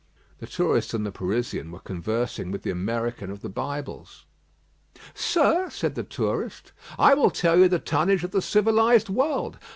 The tourist and the Parisian were conversing with the American of the Bibles. "Sir," said the tourist, "I will tell you the tonnage of the civilised world.